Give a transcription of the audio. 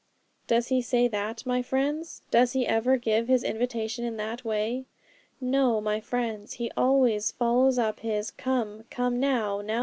Does he say that, my friends? Does he ever give his invitation in that way? No, my friends; he always follows up his "Come, come now!